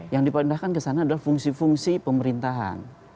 yang dipindahkan ke sana adalah fungsi fungsi pemerintahan